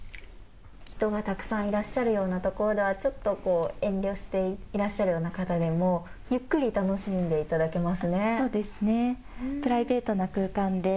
人がたくさんいらっしゃるようなところではちょっと遠慮していらっしゃるような方でもゆっくり楽しんでいただけますね。